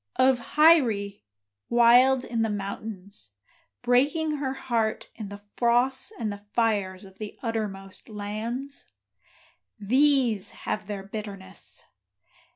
of Hyrie, wild in the mountains, Breaking her heart in the frosts and the fires of the uttermost lands? These have their bitterness.